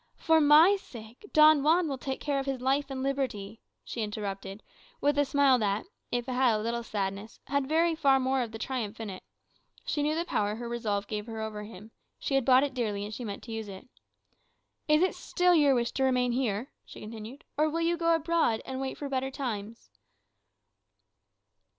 "For my sake, Don Juan will take care of his life and liberty," she interrupted, with a smile that, if it had a little sadness, had very far more of triumph in it. She knew the power her resolve gave her over him: she had bought it dearly, and she meant to use it. "Is it still your wish to remain here," she continued; "or will you go abroad, and wait for better times?"